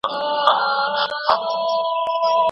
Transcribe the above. خلکو له نورو سره په حلیمۍ چلند کاوه.